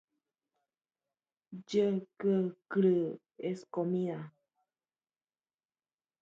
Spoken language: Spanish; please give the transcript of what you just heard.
Este taxón constituye el más antiguo terópodo conocido de este país.